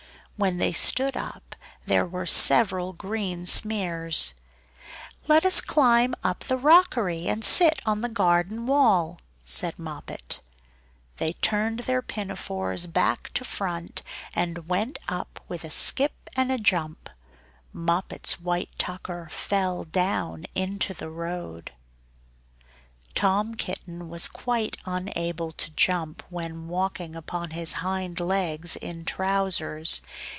When they stood up there were several green smears! "Let us climb up the rockery, and sit on the garden wall," said Moppet. They turned their pinafores back to front, and went up with a skip and a jump; Moppet's white tucker fell down into the road. Tom Kitten was quite unable to jump when walking upon his hind legs in trousers.